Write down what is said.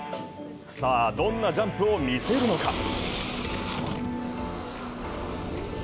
どんなジャンプを見せるのか？